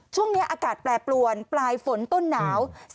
ช่วงนี้อากาศแปรปรวนปลายฝนต้นหนาว